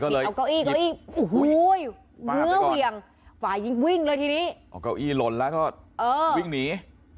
เสียงยิ่งเลยที่นี่